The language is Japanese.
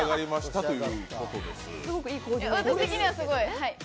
私的にはすごい。